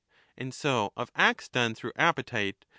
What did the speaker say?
And so of acts 4pne through appetite.